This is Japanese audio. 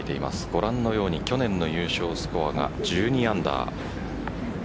ご覧のように去年の優勝スコアが１２アンダー。